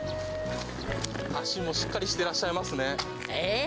足もしっかりしてらっしゃいますね。え？